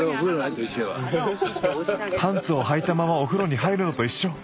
「パンツをはいたままお風呂に入るのと一緒」。